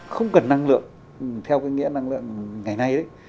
không cần năng lượng theo cái nghĩa năng lượng ngày nay đấy